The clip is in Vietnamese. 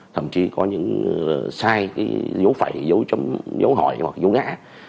thậm chí có những sai dấu phẩy dấu hỏi hoặc dấu ngã